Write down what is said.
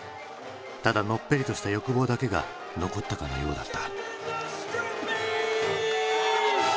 ただのっぺりとした欲望だけが残ったかのようだった。